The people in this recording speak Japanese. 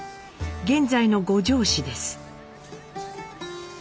現在の五條市です。